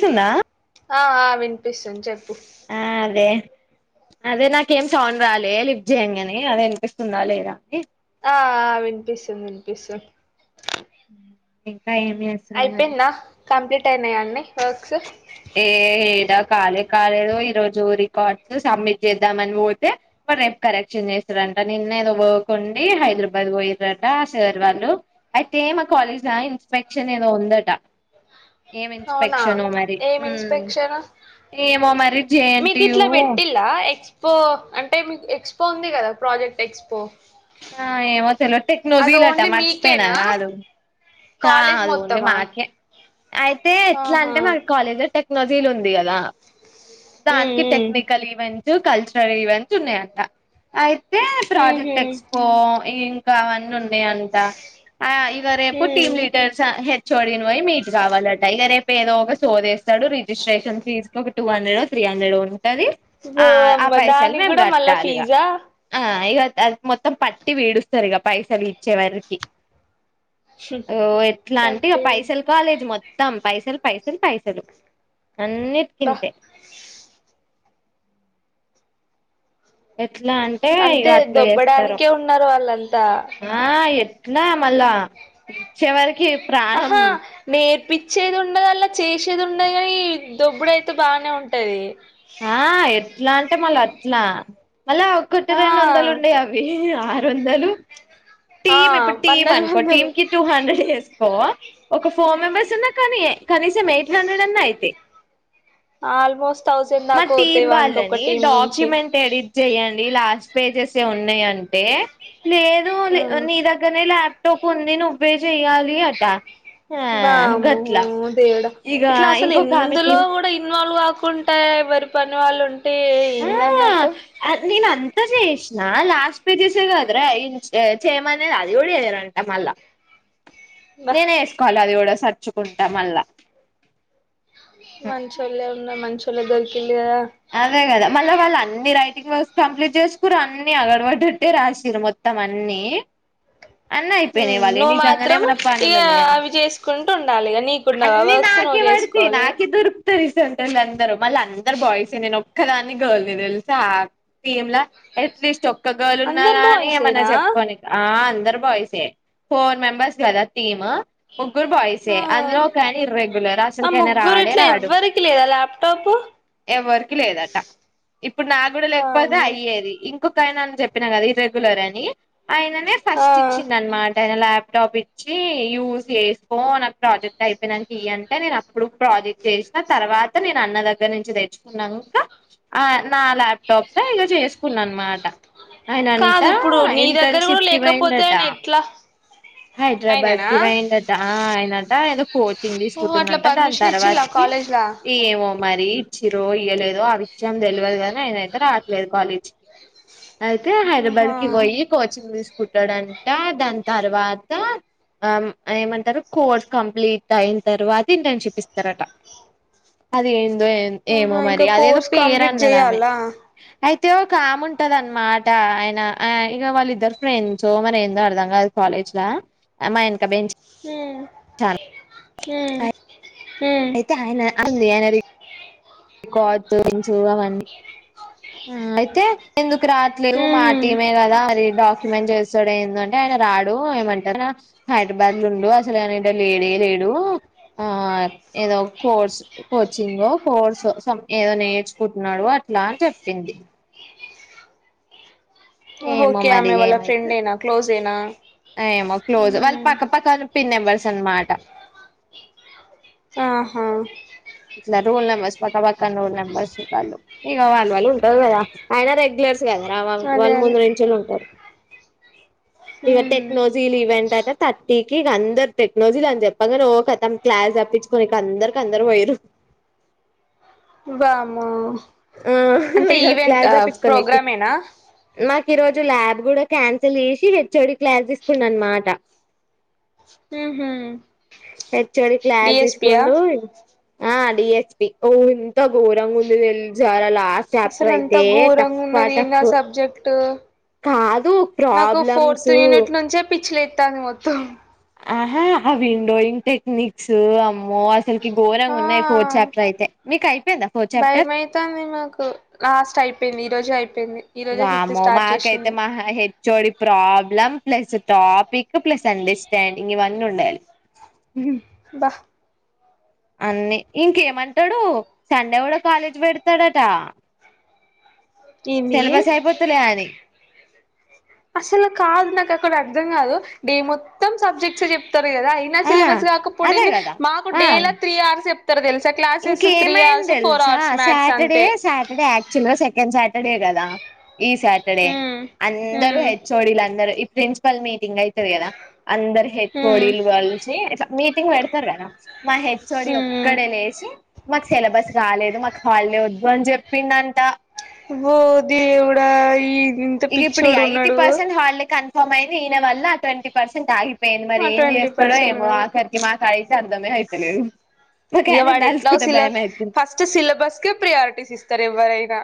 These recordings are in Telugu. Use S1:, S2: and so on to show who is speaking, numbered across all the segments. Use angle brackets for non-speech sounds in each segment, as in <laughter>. S1: సున్నా
S2: ఆ ఆ వినిపిస్తాను చెప్పు
S1: దే అదే నాకేం సౌండ్ రాలే లిఫ్ చెయ్యగానే అదే ఇనిపిస్తుందా లేదా అని
S2: ఆ వినిపిస్తు వినిపిస్తు
S1: ఇంకా ఏమి చేస్తున్నా మరి
S2: ప్లీట్ అయినయాఅండి వర్క్స్
S1: ఏ ఏడా కాలేద్ కాలేదో ఈ రోజు రికార్డ్స్ సబ్మిట్ చేద్దామని పోతే వాడ్ రేపు కరెక్షన్ చేస్తాడంట నిన్న ఏదో వర్క్ కొన్నీ హైదరాబాద్ పోయి దట సార్ వాళ్ళు అయితే మా కాలేజ్ లా ఇన్స్పెక్షన్ ఏదో ఉందట ఏమి
S2: అవునా
S1: ఇన్స్పెక్షనో మరి
S2: ఏం
S1: మ్
S2: ఇన్స్పెక్షన్
S1: ఏమో మరి జె ఎన్ టి యూ
S2: పో అంటే మీకు ఎక్స్పో ఉంది కదా ప్రాజెక్ట్ ఎక్స్పో
S1: ఆ ఏమో తెలో
S2: అది
S1: టెక్నజీలాట
S2: ఓన్లీ
S1: మర్చిపోయినా
S2: మీకేనా
S1: అదు ఆ
S2: కాలేజ్
S1: అది ఉంది
S2: మొత్తమా
S1: మాకే అయితే ఎట్లా
S2: ఆహా
S1: అంటే మన కాలేజ్లో టె నజీల్ ఉంది కదా
S2: ఉమ్
S1: దానికి టెక్నికల్ ఈవెంట్ కల్చరల్ ఈవెంట్స్ ఉన్నాయంట అయి అయితే
S2: ఉమ్ ఉహు
S1: ప్రాజెక్ట్ ఎక్స్పో ఇంకా అవన్నీ ఉన్నాయి అంట అ ఇక రేపు
S2: ఉమ్
S1: team leaders H O D ని పోయి మీట్ కావాలట ఇక రేపు ఎదో ఒక సోదెస్ స్తడు రిజిస్ట్రేషన్ ఫీజ తకే ఒ two hundred three hundred only గది ఆ ఆ
S2: వామ్మో
S1: పైసలు
S2: దానికి
S1: మేము
S2: కూడా మళ్ళా
S1: కట్టాలిగ
S2: ఫీజా
S1: ఆ ఇక అది మొత్తం పట్టి పీడుస్తరు ఇక పైసలు ఇచ్చే వారికి ఓ ఎట్లా అంటి
S2: సరిపోయింది
S1: పైసలు కాలేజు మొత్తం పైసలు పైసలు పైసలు అన్నీ
S2: బా
S1: ఇక్కింతె ఎట్లా అంటే ఇక
S2: అంతే
S1: అట్లా చేస్తారు
S2: దొబ్బడానికే ఉన్నారు వాళ్ళంతా
S1: ట్ల మళ్ళ ఇచ్చేవరికి
S2: ఆహా మీ పిచ్చేది ఉండది అలా చేసేది ఉండది ఈ దొబ్బడు అయితే బానే ఉంటది
S1: ఆ ఎట్లా అంటే మళ్ళ అట్లా అలా ఒకటి
S2: ఆ
S1: రెండు వందలు ఉండే అవి ఆరు వందలు
S2: ఆ
S1: టీమ్ ఇప్పుడు టీమ్
S2: వందలు
S1: అనుకో
S2: వందలు
S1: టీమ్ కి టూ హండ్రెడ్ వే ఒక ఫోర్ మెంబర్స్ ఉన్నా కానీ కనీసం ఎయిట్ హండ్రెడ్ అన్నా అయితే
S2: ఆల్మోస్ట్ థౌజండ్
S1: మా
S2: దాకా
S1: టీం
S2: అవుతాయి వానికి ఒక
S1: వాళ్ళని
S2: టీం నుంచి
S1: డాక్యుమెంట్ ఎడిట్ చెయ్యడి లాస్ట్ పేజెస్ ఏ ఉన్నాయి అంటే లేదు లే
S2: ఉమ్
S1: నీ దగ్గరనే లాప్ లాప్టాప్ ఉంది నువ్వే చెయ్యాలి అట ఆ
S2: వామ్మో
S1: గట్లా
S2: దేవుడా
S1: ఇక
S2: ఇట్లా అసలు
S1: ఇంకొక ఆమె
S2: ఎందులో
S1: టీం
S2: కూడా ఇ ఇన్వాళ్ళు కాకుంట ఎవరి పని వాళ్ళుంట
S1: ఆ నీను అంత చేేష్నా లాస్ట్ పేజెస్ కదర ఇన్ చయమనది అది కూడా చేయారంట మల్ల
S2: బా
S1: నేనే ఎసుకోవాల అది కూడా స నచ్చుకుంటాం మల్లా
S2: మంచుళ్ళ ఉన్నా మంచంచిళ్ళ దొరికింది
S1: అదేగద మల్ళ వళ్ళ అన్ని రైటింగ్ వర్క్స్ కంప్లీట్ చేసుకుని అన్ని అగడపడ్డట్టే రాసిరు మొత్తం అన్ని అన్న అయి
S2: నువ్వు మాత్రం ఇగాఅవి చేసుకుంటూ ఉండాలి ఇ నీకుండవు వర్క్స్ నువ్వు చేసుకోవాలి
S1: రీసెంట్ అందరు మల్ల అందరు బాయ్స్ చి నేను ఒక్కదానే నేనే గల్ నీ తెల్సా ఆ టీం ల అట్లీస్ట్ ఒక గర్ల్ ఉన్నా
S2: అందరు
S1: కానీ ఏమన్నా
S2: బాయ్సేనా
S1: చెప్పుకోని అందరు అందరు బాయిసే ఫోర్ మెంబర్స్ గదా టీమ్ ముగ్గురు బాయిసే
S2: ఆ
S1: అందులో ఒకాయన ఇర్రెగ్యులర్
S2: ఆ
S1: అసలుకినా రాడే
S2: ముగ్గురిట్లో
S1: రాడు
S2: ఎవ్వరికి లేదా ల్యాప్టాప్
S1: ఎవ్వరికి లేదట ఇప్పుడు నా కూడా లేకపోతే
S2: వామ్మో
S1: అయ్యేది ఇం ఇంకొకయనా అని చెప్పినా కదా ఇరెగ్యులర్ అని ఆయననే
S2: ఆ
S1: ఫస్ట్ ఇచ్చింది అనమాట ఆయన ల్యాప్టాప్ ఇచ్ వచ్చి యూజ్ చేసుకో నాకు ప్రాజెక్ట్ అయిపోయినాంకి. అంటే నేను అప్పుడు ప్రాజెక్ట్ చేసిన తర్వాత నేను అన్న దగ్గర నుంచి తెచ్చు న్నంకా ఆ నా ల్యాప్టాప్ లో ఇగ చేసుకున్నా అనమాట ఆయనంట
S2: కాదు ఇప్పుడు నీ దగ్గర కూడా
S1: ఇంటర్న్షిప్ కి
S2: లేకపోతే ఆయన
S1: పోయిండట
S2: ఎట్ల
S1: హైదరాబాద్ కి పోయిండట. ఆయనంట ఏదో కోచింగ్
S2: ఓహో అట్లా
S1: తీసుకుంటున్నంట. దాని
S2: పర్మిషన్ ఇచ్చిలా
S1: తర్వాతకి
S2: కాలేజ్లా
S1: ఏమో మరి ఇచ్చిరో ఇయ్వలేదో ఆ విషయం తెల్వదు కాని ఆయనయితే రాట్లేదు కాలేజీకిి అయితే హైదరాబాద్
S2: ఆహా
S1: కి పోయి కోచింగ్ తీసుక కుట్టడ అంట దాని తర్వాత ఆ ఏమంటరు కోర్స్ కంప్లీట్ అయిన తర్వాత ఇంటర్న్షిప్ ఇస్తారట అది ఏ ఏమో
S2: ఆహా ఇంకా
S1: మరి అదేదో
S2: కోర్స్ కంప్లీట్
S1: పేరన్నది ఆమె
S2: చేయాలా
S1: అయితే ఐతే ఒకామె ఉంటది అనమాట. ఆయన ఇక వాళ్ళ ఇద్దరు ఫ్రెండ్స్. మరి ఏందో అర్థం కాదు. కాలేజ్ ల మా ఎనుక బెంజ్
S2: హ్మ్ హ్మ్ హ్మ్
S1: అయితే ఆయన ఆగు ఆయనది కార్డ్స్ కింగ్స్ అవన్నీ ఆ అయితే ఎందుక్ రావట్లేదు మా
S2: ఊహ్మ్
S1: టీమే కదా మరి డాక్ట ఏమేమి చేస్తాడు. ఏందంటే ఆయన రాడు ఏమంటరు. హైదరాబాద్ లో ఉండు అసలు ఆయన లేడే లేడు ఆ ఏదో కోర్స్ కోచింగొ కోర్స్ ఏదో సం నేర్చుకుంటున్నాడు. అట్లా అని చెప్ పిండి
S2: ఓకే
S1: మరి
S2: ఆమె వాళ్ళ ఫ్రెండ్
S1: ఏమైతది
S2: నా క్లోజ జనా
S1: ఏమో క్లోజ్ వాళ్ళ పక్క పక్క పిన్ నెంబర్స్ తను మాట
S2: ఆహా
S1: రూల్ నెంబర్స్ పక్క పక్కన రూల్ నెంబర్స్ వాళ్లు ఇగ వాళ్లు వళ్ళు ఉంటారు కదా అయినా రెగ్యులర్ కదరా
S2: అదే
S1: వాళ్ళు
S2: అదే
S1: ముందు నుంచే ఉంటారు
S2: హ్మ్
S1: ఇగటెక్నోజీ ఈవెంట్ ర్ ఆంట తట్ టీకి ఇక అందరు టెక్నోజీ అని చెప్పగానే ఓ కథం క్లాస్ తప్పించుకని ఇక అందరి అందరు పోయిరు
S2: వామ్మో
S1: హు
S2: అంటే
S1: ఇంగా
S2: ఈవెంట్
S1: క్లాస్ తప్పించుకోనికి
S2: ప్రోగ్రామేనా
S1: నా ఈ రోజు ల్యాబ్ కూడ క్యాన్సల్ చేసి హెచ్ఓడి క్లాస్ తీసుకున్నా అనమాట
S2: ఉహు
S1: హెచ్ ఓ డి క్లాస్
S2: డిఎస్పియా
S1: తీసుకుండు ఆ డిఎస్పి ఓ ఇంత ఘోరంగా ఉంది తెల్ జాలల
S2: అసలు అంత ఘోరంగా ఉన్నది ఏంద సబ్జెక్ట్
S1: కాదు ప్రాబ్లమ్స్ సు
S2: తను వద్దు
S1: ఆహా ఆ విండోయింగ్ టెక్నిక్స్ అమ్మో మె అసలుకి ఘోరంగా
S2: ఆ
S1: ఉన్నాయి ఫోర్త్ చాప్టర్ అయితే మీకు అయిపోయిందా ఫోర్త్ చాప్టర్
S2: భయమైతాంది మాకు లాస్ట్ అయిపోయింది ఈ రోజే అయిపోయింది ఈ రోజే ఫిఫ్త్
S1: వామో
S2: స్టార్ట్
S1: మాకైతే
S2: చేసింది
S1: మా హెచ్చోడి problem plus topic plus understanding ఇవన్నీ ఉండలి
S2: బ
S1: అన్ని ఇంకేమంటాడు సండే కూడ కాలేజీ పెడతాడట
S2: ఏంది
S1: సిలబస్ అయిపోతులే అది
S2: అసలు కాదు నాకు అక్కడ అర్థం కాదు డే మొత్తం సబ్జెక్ట్స్ చెప్ తర్రీ కాదా ఈనస్
S1: ఆ
S2: సిలబస్
S1: అదే
S2: కాకపోవుడేంది
S1: కదా
S2: మాకు
S1: ఆ
S2: డేల త్రీ అవర్స చేప్త ఉత్తర తెల్సు
S1: ఇంకేమైంది తెలుసా
S2: మ్యాథ్స్
S1: సాటర్డే
S2: అంతే
S1: సాటర్డే యాక్చువ్ల్గా సెకండ్ సాటర్ టర్డే గదా ఈ సాటర్డే అందరూ హెచ్ఓడిల్ అందరు ఇప్ ప్రిన్సిపాల్ మీ టింగ్ అయితది గదా అందరు హెచ్ఓడిల్ గలిసి ఇట్ల మీటింగ్ బెడుతరు గదా మా హెచ్ఓడి ఒక్కడే లే మాకు సిలబస్ గాలేదు మాకు హల్డే వద్దు అన్ చెప్పిండంటా
S2: వో దేవుడా ఈ ఇంత
S1: ఇది ఇప్పుడు ఇ
S2: పిచ్చోడు
S1: ఐటీ
S2: ఉన్నాడు
S1: పర్సెన్ వాళ్లే కన్ పనైయింది ఈయన వల్ల అతనికి పర్సన్ట్ అగిప్ ఎంద్ మరి ఏం
S2: అటువంటి
S1: చేస్తాడో
S2: పర్సన్
S1: ఏమో ఆకరికి మా కా యి గ అర్ధమే అయిత లేదు ఉ
S2: ఇగ వాడు ఎట్లా సిల ఫస్ట్ సిలబస్ కే ప్రియారిటీసిస్ ఇస్తారు ఎవ్వ రైనా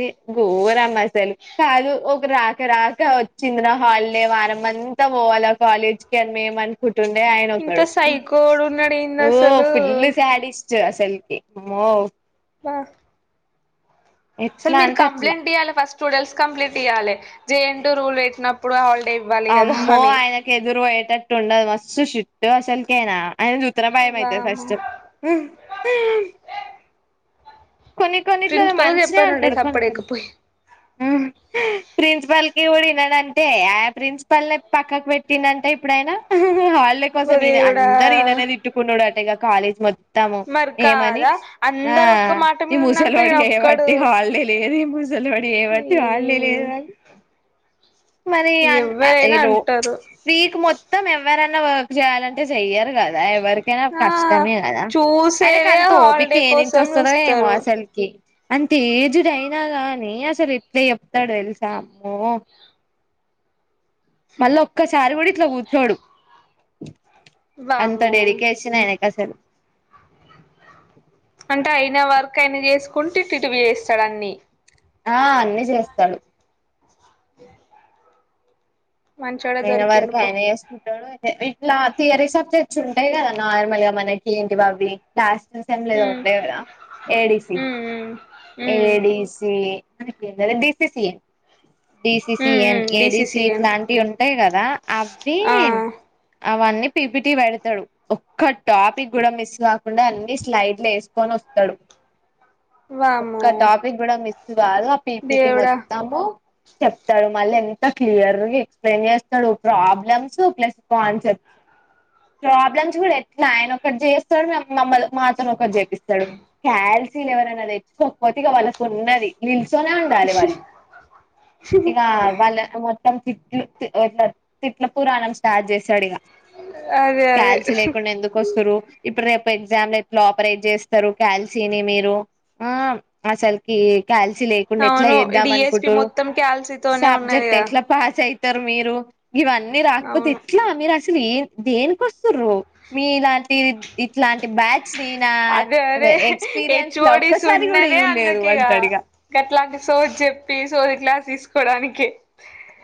S1: ఈ గోరమ్ అసలు కాదు ఒక రాక రాక వచ్చింది నా హాల్డే వారం అంతా పోవాల కాలేజ్ కి అన్ మేము అనుకూ టుండే
S2: ఇంత
S1: అయనొక్కాడు మ్
S2: సైకోడు ఉన్నాడు ఏంది
S1: ఓ
S2: అసలు
S1: ఫుల్లు సాడిస్ట్ జ అసల్కి ఒమ్మో
S2: వా <inaudible> అసలు
S1: ఎట్లా
S2: మీరు
S1: అంటే అట్లా
S2: కంప్లెంట్ ఇయ్యాలి ఫస్ట్ సుడెల్స్ కంప్లీట్ ఇయ్యాలె జే ఎన్ టూ రూల్ బెట్ నప్ పుడు హల్
S1: అమ్మో అయనకు ఎదురు పొయ్యేటట్టు ఉండదు మస్ సు షిట్టు అసెల్కె ఆయన అ ఆయనను చూత్తనే బయమైతది
S2: వామ్మో
S1: ఫస్ట్ కొన్ని కొన్నిట్లలో
S2: ప్రిన్సిపల్ కి
S1: మంచిగనే
S2: చెప్పనుండే
S1: ఉంటాడు కొన్ని
S2: సప్పుడేక
S1: కొన్ని
S2: పోయి
S1: మ్మ్ ప్రిన్సిపాల్ కి గుడా ఇనడంటే యాప్ ప్రిన్సిపాల్ నే పక్కకు బెట్ తినంటే ఇప్పుడాయన వాళ్ళ
S2: ఓ
S1: కోసం ఈయన
S2: దేవుడా
S1: అందరు ఈయననే తిట్టుకునుడు అంటె ఇగా కాలేజ్ మద్ త్తము
S2: మరి
S1: ఏమని
S2: కాదా
S1: ఆ
S2: అందరు ఒక్క మాట
S1: ఇ
S2: మీద ఉన్నాక
S1: ముసలోడ్
S2: ఈయన ఒక్కడు
S1: జేయబట్టి హాల్డే లేదు ఇ ముసలోడ్ జేయబట్టి హల్డే
S2: ఈ
S1: లేదు అన్ మరి అన్ ఆ ఇ
S2: ఎవ్వరైనా
S1: ను ప్చ్
S2: అంటారు
S1: వీక్ మొత్తం ఎవ్వరన్ న్న వర్క్ చేయాలంటే చెయ్యరు గదా ఎవ్వరు కైనా
S2: ఆ
S1: కష్టమే గదా
S2: చూసేవే
S1: అయనకాంత ఓపిక
S2: హాలిడే
S1: ఏ నుంచి
S2: కోసం
S1: వస్తదో ఏమో
S2: చూస్తారు
S1: అసల్ కి అంత ఏజ్డ్ అయినా గాని అసలు ఎట్లన్చెప్తాడు తెలుసా అమ్మో మళ్ళా ఒక్క సారి గుడి ఇంట్లో కుచ్చోడు అంత
S2: వామ్మో
S1: డెడికేషన్ ఆయనకు అసలు
S2: అంట అయిన వర్క్ అయిన చేసుకుంట ఇటివి చేస్తాడు అన్ని
S1: ఆ అన్ని చేస్తాడు
S2: మంచోడే
S1: మయిన
S2: దొరికిండు
S1: వరకు
S2: పో
S1: ఆయన చేస్ టాడు అయితే విడ్ లా తీయారిస చుండగాదన్న గద నార్మల్ గా మనకి ఏంటి బాబీ లాస్ట్ మ్మ్ సేమ్ లో ఏదో
S2: ఉమ్
S1: ఉంటాయి కదా A D C
S2: um um
S1: A
S2: um
S1: D C A ఇద్దరే బి సి సి
S2: ఉమ్
S1: డిసిసిన్
S2: ఉమ్
S1: ఏ డి సి
S2: డిసిసిఎన్
S1: ఇట్లాంటివి ఉంటాయి కదా అవ్వి
S2: ఆ
S1: అవన్నీ పీపిటీ పెడతడు ఒక్క టాపిక్ కూడా మిస్ కాకుండా అన్ని స్లైడ్లు వేసుకొని వస్తాడు ఒక్క
S2: వామ్మో
S1: టాపిక్ గూడా మిస్ స్ కాదు ఆ పి పి టి
S2: దేవుడా
S1: మొత్తము చెప్తాడు మళ్ళీ ఎంత క్లియర్గా ఎక్స్ప్లెయిన్ చేస్తాడు ప్రాబ్లమ్స్ ప్లస్ కాన్సెప్ట్స్ ప్రాబ్లమ్స్ కూడా ఎట్లా ఆయన ఒకటి చేస్తాడు మమ్మ మాతోను ఒకటి చేపిస్తాడు క్యాల్సీలు ఎవరైనా గక్కతిగా వాళ్ళ కొన్నది నిలుసొనే ఉండాలి వాళ్ళు ఇగా వళ్ళను మొత్తం తిట్లు ఇట్లా తిట్ల పురాణం స్టార్ట్ చేస్తడు ఇక
S2: అదే అదే
S1: కాల్సీ
S2: హ
S1: లేకుండా ఎందుకు ఇప్పుడు రేపు ఎగ్జామ్ లో ఎట్లా ఆపరేట్ చేస్తరు కల్సీని మీరు ఆ ఆసల్కి కలిసి లేకుండా ఎట్లా
S2: అవును
S1: చేద్దాం
S2: డిఎస్పి
S1: అనుకుంటుర్రు
S2: మొత్తం క్యాల్సీతోనే
S1: సబ్జెక్ట్
S2: ఉన్నదిగా
S1: ఎట్లా పాస్ అయి ఇస్తరు మీరు ఇవన్నీ రాకపోతే
S2: అవును
S1: ఎట్లా నీకసలు అసలు ఏంది దేనికోసం మీలాంటి ఇట్లాంటి బ్యాచ్ సీ నా ఎక్స్పీరియన్స్ లో ఒక్కసారి కూడా
S2: చున్నదే
S1: చూడలేదు
S2: అందుకు ఇక
S1: అంటాడు
S2: గట్లాంటి సోది చెప్పి సోది క్లాసి తీసుకోవడానికి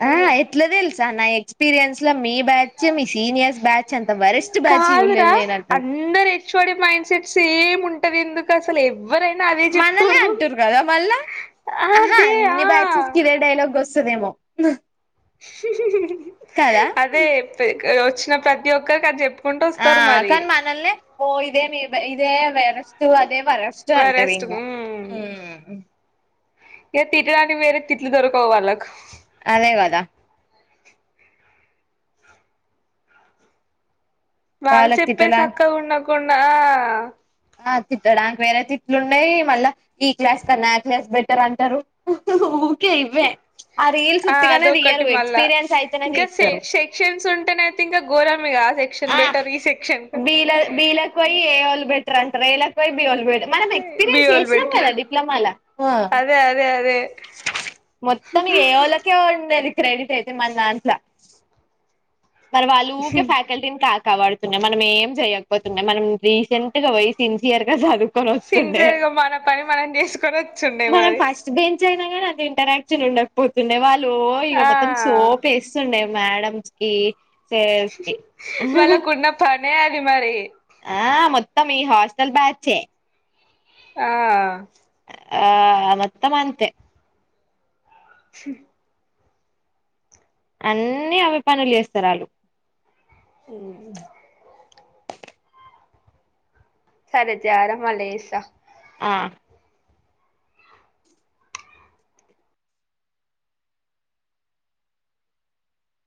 S1: ఆ ఎట్లదేల్సు నా ఎక్స్పీరియన్స్ ల మీ బ్యాచ్ మీ సీనియర్స్ బ్యాచ్ అంత వరెస్ట్ బ్యాచ్ చూడలేదు
S2: కాదురా
S1: నేను అంటాడు
S2: అందరు H O D mind set same ఉంట ఉంటది ఎందుకు అసలు ఎప్ ఎవరైనా అదే
S1: మనలే
S2: చెప్తుర్రు
S1: అంటురు కదా మళ్ళా
S2: అదే ఆ
S1: స్దేమో
S2: అదే చెప్పేది వచ్చిన ప్రతి ఒక్కరికి అది చెప్
S1: ఆ కన్ మనల్నే ఓ ఇదే నేర్ ఇదేే వే వరస్ట్ అదే వరస్టు అంటారు
S2: వరెస్ట్
S1: ఇంగ మ్మ్
S2: ఏ తిట్టడానికి వేరే తిట్లు దొరకవు వాళ్లకు
S1: అదే కదా
S2: వాళ్ళు
S1: వాళ్ళకి
S2: చెప్పే
S1: తిట్టలా
S2: సక్కగ ఉండక కున్నా
S1: ఆ తిట్టడానికి వేరే తిట్లు ఉన్నాయి మళ్ళా ఈ క్లాస్ కన్నా ఆ క్లాస్ బెటర్ అంటారు ఊకే ఇవ్వే రీల్స్
S2: ఆ
S1: ఉత్తిగానే
S2: అదొక్కటి
S1: తీయరు
S2: మళ్ళా
S1: ఎక్స్పీరియన్స్ అయితేనే
S2: ఇంకా షే
S1: తీస్తారు
S2: సెక్షన్స్ ఉంటేనయితే ఇంకా ఘోరమిగా ఆ సెక్షన్ బెటర్ ఈ సెక్షన్
S1: బీల బీలకు <unintelligible> మనం ఎక్స్పీరియన్స్
S2: బిఓలు
S1: చేసినం
S2: బెటర్
S1: కదా డిప్లమాల
S2: అదే అదే అదే
S1: మొత్తం ఏ ఒళ్లకే ఉండేది క్రెడిట్ అయితే మన దాంట్ల మరవాళ్లు ఊకె ఫ్యా కా కా పడుతున్న మనం ఏం చేయకపోతున్నా మనం డీసెంట్ గా పోయి సిన్సియర్ గా చదు
S2: సిన్సియర్గా మన పని మనం చేసుకొని వస్తుండే మరి
S1: <unintelligible> అయినగని అంత ఇంటరాక్షన్ ఉండకపోతుండే వాళ్ లో ఇగ
S2: ఆ
S1: మొత్తం సోపేస్తుండే మేడమ్స్ కి <unintelligible>
S2: వాళ్ళ కున్న ప నే అది మరి
S1: ఆ మొత్తం ఈ హస్టల్ బ్యాచే
S2: ఆ
S1: ఆ మొత్తం అంతే అన్ని అవే పనులు చేస్తారు వాళ్ళు
S2: ఉ సరే జార మల్లి చేస్త
S1: ఆ